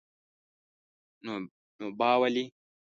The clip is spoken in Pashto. نو با ولي?